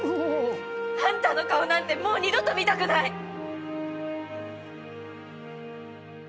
あんたの顔なんてもう二度と見たくない。